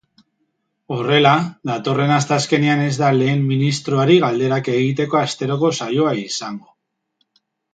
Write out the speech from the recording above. Horrela, datorren asteazkenean ez da lehen ministroari galderak egiteko asteroko saioa izango.